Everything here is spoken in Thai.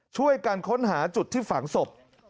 ช่วยกันค้นหาจุดที่ฝังศพ